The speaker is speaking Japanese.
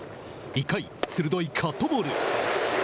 １回、鋭いカットボール。